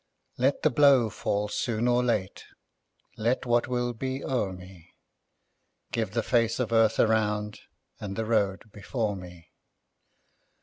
Let the blow fall soon or late, Let what will be o'er me; Give the face of earth around, And the road before me.